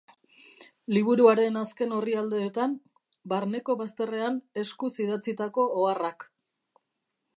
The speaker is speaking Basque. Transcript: Liburuaren azken orrialdeetan, barneko bazterrean eskuz idatzitako oharrak.